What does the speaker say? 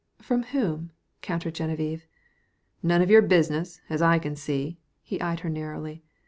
"From whom?" countered Geneviève. "None of your business, as I can see." He eyed her narrowly.